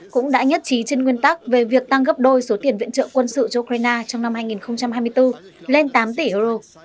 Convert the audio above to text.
cũng đã nhất trí trên nguyên tắc về việc tăng gấp đôi số tiền viện trợ quân sự cho ukraine trong năm hai nghìn hai mươi bốn lên tám tỷ euro